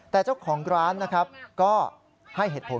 แต่เจ้าของกรานก็ให้เหตุผล